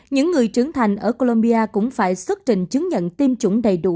những người trưởng thành ở colombia cũng phải xuất trình chứng nhận tiêm chủng đầy đủ